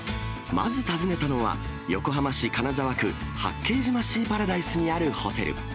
まず訪ねたのは、横浜市金沢区、八景島シーパラダイスにあるホテル。